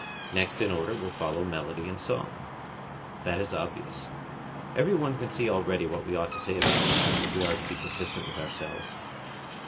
Next in order will follow melody and song. That is obvious. Every one can see already what we ought to say about them, if we are to be consistent with ourselves.